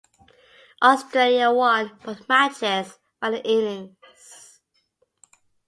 Australia won both matches by an innings.